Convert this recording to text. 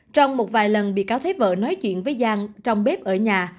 trong một vài lần bị cáo thấy vợ nói chuyện với giang trong bếp ở nhà